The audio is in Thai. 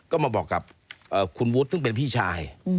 ก็มาบอกกับคุณวุฒิซึ่งเป็นพี่ชาย